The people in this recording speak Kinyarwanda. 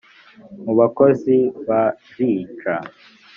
mu bakozi ba rcaa